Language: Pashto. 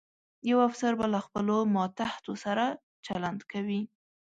یو افسر به له خپلو ماتحتو سره چلند کوي.